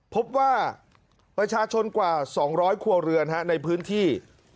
พบว่าประชาชนกว่า๒๐๐ครัวเรือนในพื้นที่